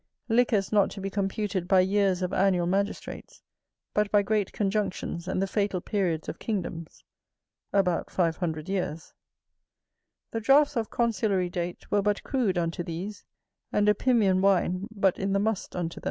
Liquors not to be computed by years of annual magistrates, but by great conjunctions and the fatal periods of kingdoms.[AV] The draughts of consulary date were but crude unto these, and Opimian wine but in the must unto them.